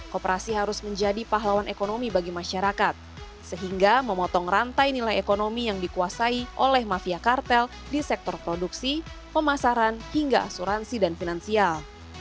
koperasi harus menjadi pahlawan ekonomi bagi masyarakat sehingga memotong rantai nilai ekonomi yang dikuasai oleh mafia kartel di sektor produksi pemasaran hingga asuransi dan finansial